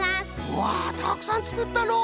わあたくさんつくったのう！